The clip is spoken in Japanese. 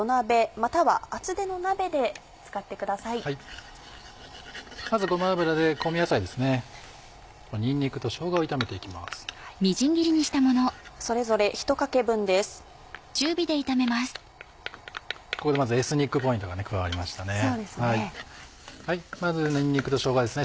まずにんにくとしょうがですね。